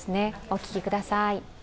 お聞きください。